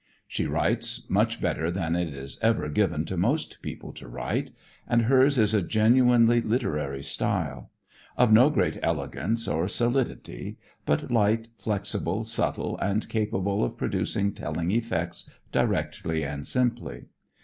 She writes much better than it is ever given to most people to write, and hers is a genuinely literary style; of no great elegance or solidity; but light, flexible, subtle and capable of producing telling effects directly and simply.